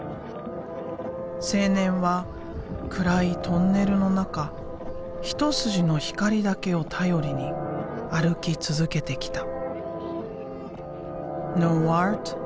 青年は暗いトンネルの中一筋の光だけを頼りに歩き続けてきた。